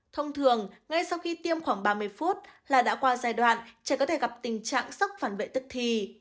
thông thường ngay sau khi tiêm khoảng ba mươi phút là đã qua giai đoạn trẻ có thể gặp tình trạng sốc phản bệ tức thì